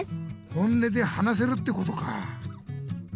本音で話せるってことか！